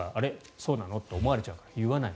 そうなの？と思われちゃうから言わない。